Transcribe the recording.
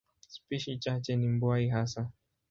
Spishi chache ni mbuai hasa.